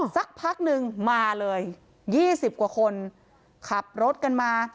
สักพักนึงมาเลย๒๐กว่าคนขับรถกันมา